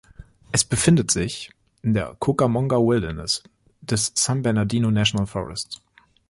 Es befindet sich in der Cucamonga Wilderness des San Bernardino National Forest.